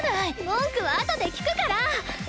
文句はあとで聞くから！